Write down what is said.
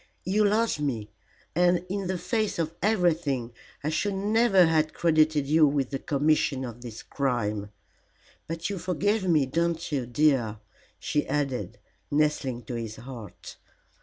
You loved me, and in the face of everything I should never have credited you with the commission of this crime. But you forgive me, don't you, dear?" she added, nestling to his heart.